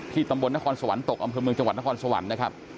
ตำบลนครสวรรค์ตกอำเภอเมืองจังหวัดนครสวรรค์นะครับ